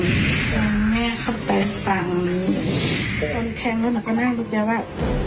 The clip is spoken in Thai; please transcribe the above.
ตอนหนูแทงแล้วหนูก็นั่งดูแกว่า